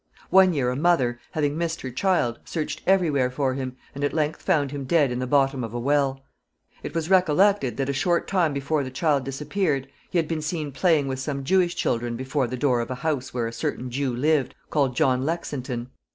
One year a mother, having missed her child, searched every where for him, and at length found him dead in the bottom of a well. It was recollected that a short time before the child disappeared he had been seen playing with some Jewish children before the door of a house where a certain Jew lived, called John Lexinton.